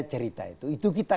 cerita itu itu kita